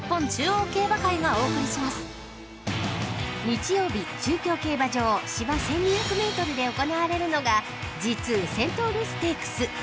［日曜日中京競馬場芝１，２００ｍで行われるのがＧⅡセントウルステークス］